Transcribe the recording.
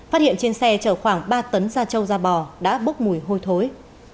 phát hiện trên xe chở khoảng ba tấn da trâu da bò đã bốc mùi hôi thối